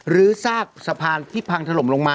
เรื้อซากสะพานค์ที่พังถลมลงมา